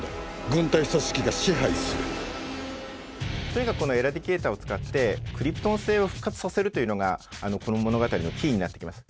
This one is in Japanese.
とにかくこのエラディケイターを使ってクリプトン星を復活させるというのがこの物語のキーになってきます。